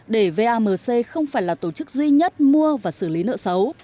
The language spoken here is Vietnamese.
để vamc không phải là tổ chức duy nhất mua và xử lý nợ xấu